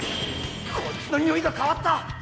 こいつのニオイが変わった！